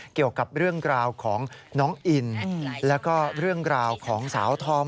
เกี่ยวกับเรื่องราวของน้องอินแล้วก็เรื่องราวของสาวธอม